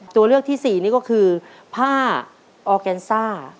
ตัวเลือกที่สี่นี่ก็คือผ้าออร์แกนซ่า